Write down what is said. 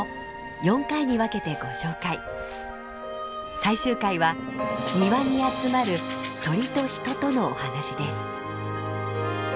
最終回は庭に集まる鳥と人とのお話です。